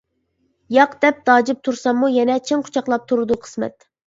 ياق دەپ داجىپ تۇرساممۇ يەنە، چىڭ قۇچاقلاپ تۇرىدۇ قىسمەت.